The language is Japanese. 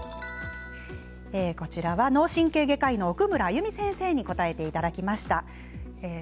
脳神経外科の奥村歩先生に答えていただきました。